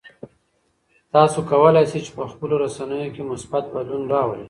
تاسو کولای شئ چې په خپلو رسنیو کې مثبت بدلون راولئ.